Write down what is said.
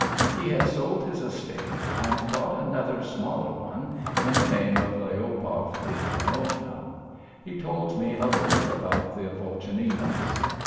He had sold his estate and bought another, smaller one in the name of Lyabov Ivanovna. He told me a little about the Volchaninovs.